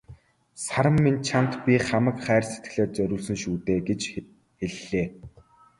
"Саран минь чамд би хамаг хайр сэтгэлээ зориулсан шүү дээ" гэж хэллээ.